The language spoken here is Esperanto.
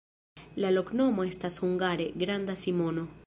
La loknomo estas hungare: granda Simono.